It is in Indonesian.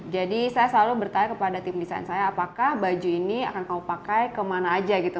jadi saya selalu bertanya kepada tim desain saya apakah baju ini akan kau pakai kemana aja gitu